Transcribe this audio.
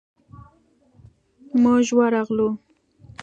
موږ ورغلو.